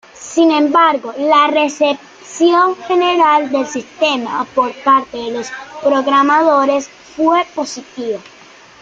Sin embargo, la recepción general del sistema por parte de los programadores fue positiva.